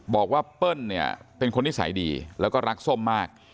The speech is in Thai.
เปิ้ลเนี่ยเป็นคนนิสัยดีแล้วก็รักส้มมาก